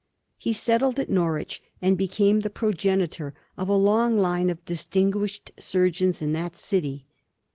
He settled at Norwich, and became the progenitor of a long line of distinguished surgeons in that city.